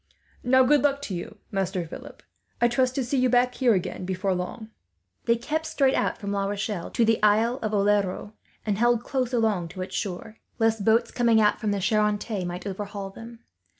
"Now, good luck to you, Master Philip. I trust to see you back here again, before long." They kept straight out from La Rochelle to the Isle of Oleron, and held along close to its shore, lest boats coming out from the Charente might overhaul them.